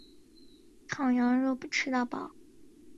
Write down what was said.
烤羊肉吃到饱